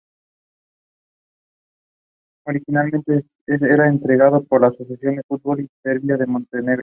Originalmente era entregado por la Asociación de Fútbol de Serbia y Montenegro.